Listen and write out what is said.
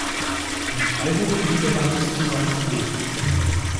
In Freiburg blieb er dann bis zu seinem Tod.